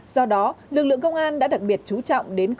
do đó lực lượng công an đã đặc biệt chú trọng đến công an